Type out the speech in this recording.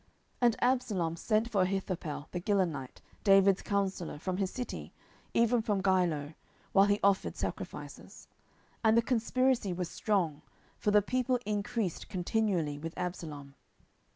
10:015:012 And Absalom sent for Ahithophel the Gilonite, David's counsellor, from his city, even from Giloh, while he offered sacrifices. And the conspiracy was strong; for the people increased continually with Absalom.